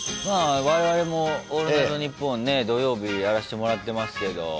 まあ我々も「オールナイトニッポン」ね土曜日やらせてもらってますけど。